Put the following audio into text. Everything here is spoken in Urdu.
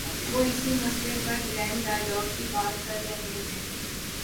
وہ اسی مسئلے پر گرینڈ ڈائیلاگ کی بات کر رہے ہیں۔